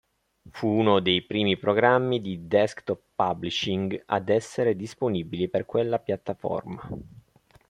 Fu uno dei primi programmi di desktop publishing ad essere disponibili per quella piattaforma.